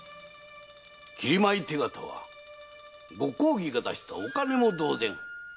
切米手形は御公儀が出したお金も同然。